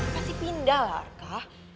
pasti pindah lah rka